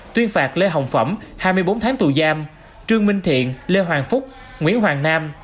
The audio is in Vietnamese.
tuyên phạt lê hồng phẩm hai mươi bốn tháng tù giam trương minh thiện lê hoàng phúc nguyễn hoàng nam